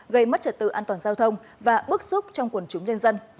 gây mất trật tự an toàn giao thông và bức xúc trong quần chúng nhân dân